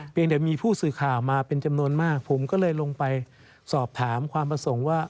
ยังแต่มีผู้สื่อข่าวมาเป็นจำนวนมากผมก็เลยลงไปสอบถามความประสงค์ว่า